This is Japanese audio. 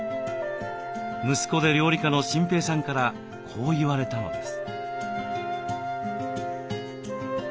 息子で料理家の心平さんからこう言われたのです。